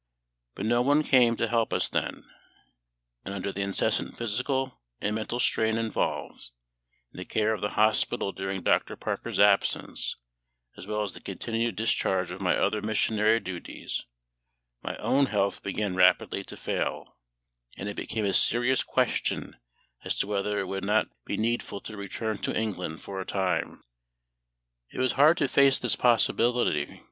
But no one came to help us then; and under the incessant physical and mental strain involved, in the care of the hospital during Dr. Parker's absence, as well as the continued discharge of my other missionary duties, my own health began rapidly to fail, and it became a serious question as to whether it would not be needful to return to England for a time. It was hard to face this possibility.